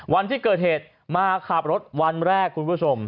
วันที่เกิดเหตุมาขับรถวันแรกคุณผู้ชม